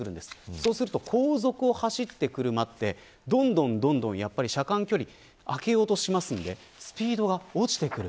そうすると後続を走ってくる車はどんどん車間距離を空けようとしますのでスピードが落ちてくる。